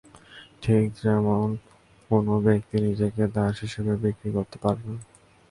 ঠিক যেমন কোনো ব্যক্তি নিজেকে দাস হিসেবে বিক্রি করতে পারে না।